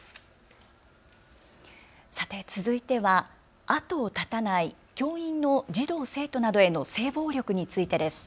さて続いては後を絶たない教員の児童・生徒などへの性暴力についてです。